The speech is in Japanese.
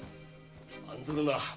案ずるな。